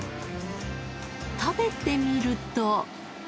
食べてみると。